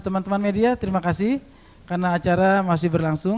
teman teman media terima kasih karena acara masih berlangsung